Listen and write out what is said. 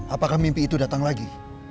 apakah mimpi itu datang lagi